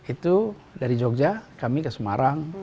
itu dari jogja kami ke semarang